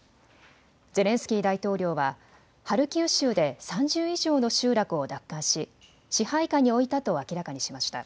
ゼレンスキー大統領はハルキウ州で３０以上の集落を奪還し、支配下に置いたと明らかにしました。